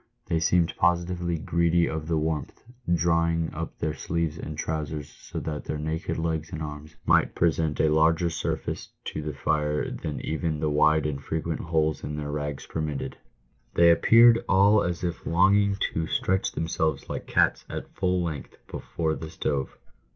They seemed positively greedy of the warmth, drawing up their sleeves and trousers so that their naked legs and arms might present a larger surface to the fire than even the wide and frequent holes in their rags permitted. They appeared all as if longing to stretch themselves like cats at full length before the stove.